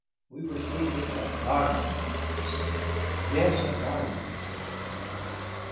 We were speaking of Darnley," he said. "Yes, of Darnley," I repeated.